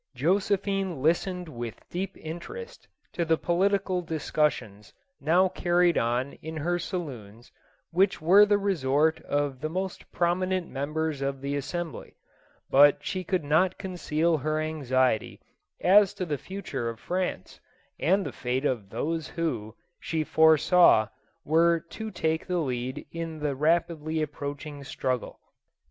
Josephine listened with deep interest to the political discussions now carried on in her saloons, which were the resort of the most prominent members of the as sembly ; but she could not conceal her anxiety as to the future of France, and the fate of those who, she foresaw, were to take the lead in the rapidly approach ing struggle.